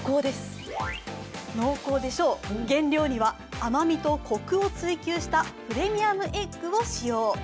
濃厚でしょう、原料には甘味とコクを追求したプレミアムエッグを使用。